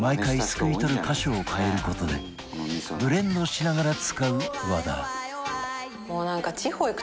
すくい取る箇所を変える事でブレンドしながら使う和田